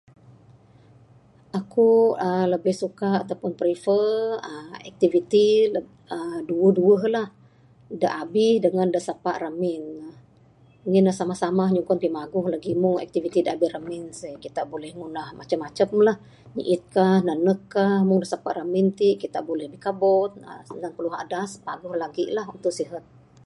Aku aaa lebih suka ato pun prefer aaa activity duweh duweh lah da abih dangan da sapa ramin. Ngin ne samah samah nyugon pimaguh lagih mung activity da abih ramin se'eh kita buleh ngunah macam macam lah, nyiit ka, nanek ka. Meng da sapa ramin ti kita buleh bikabon aaa sanang piluah adas paguh lagi lah adep sihat.